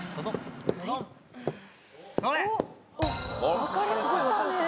分かれましたね。